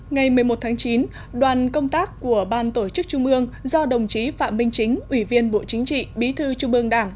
ngày một mươi một tháng chín đoàn công tác của ban tổ chức trung ương do đồng chí phạm minh chính ủy viên bộ chính trị bí thư trung ương đảng